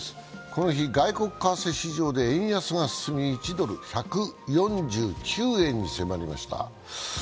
この日、外国為替市場で円安が進み、１ドル＝１４９円に迫りました。